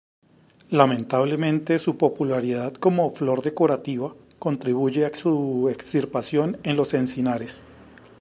Lamentablemente, su popularidad como flor decorativa contribuye a su extirpación en los encinares.